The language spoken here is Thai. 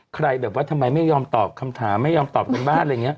ใครแบบว่าทำไมไม่ยอมตอบคำถามไม่ยอมตอบกันบ้านอะไรอย่างนี้